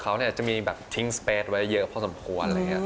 เขาจะเป็นอยู่เครื่องเนี่ยทิ้งพื้นความคุยห์เทียบไปเยอะพอสมควร